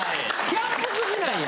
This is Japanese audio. キャンプ好きなんや。